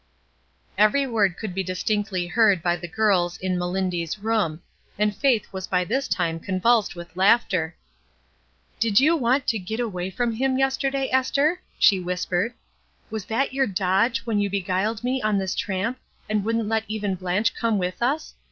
Every word could be distinctly heard by the girls in " Melindy's room," and Faith was by this time convulsed with laughter. " Did you want to *git away from' him, yes terday, Esther?" she whispered. *'Was that your 'dodge' when you beguiled me on this tramp and wouldn't let even Blanche come with us?